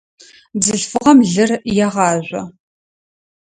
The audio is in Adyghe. Бзылъфыгъэм лыр егъажъо.